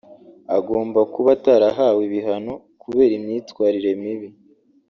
agomba kuba atarahawe ibihano kubera imyitwarire mibi